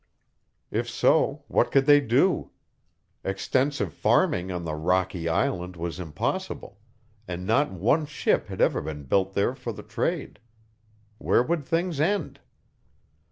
If so, what could they do? Extensive farming on the rocky island was impossible, and not one ship had ever been built there for the trade. Where would things end?